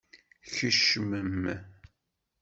Kecmem!